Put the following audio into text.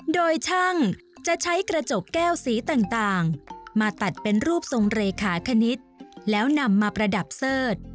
โดยช่างจะใช้กระจกแก้วสีต่างมาตัดเป็นรูปทรงเลขาคณิตแล้วนำมาประดับเสิร์ธ